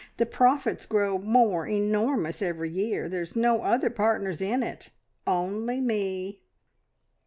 The profits grow more e normous every year. There's no other partners in it, only Me!"